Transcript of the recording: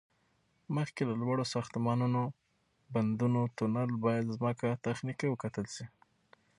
مخکې له لوړو ساختمانو، بندونو، تونل، باید ځمکه تخنیکی وکتل شي